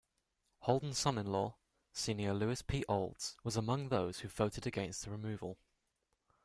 Holden's son-in-law, Sen. Lewis P. Olds, was among those who voted against removal.